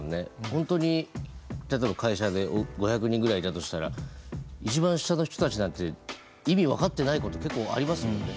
本当に例えば会社で５００人ぐらいいたとしたら一番下の人たちなんて意味分かってないこと結構ありますもんね。